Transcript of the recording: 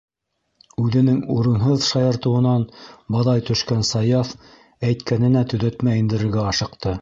Үҙенең урынһыҙ шаяртыуынан баҙай төшкән Саяф әйткәненә төҙәтмә индерергә ашыҡты.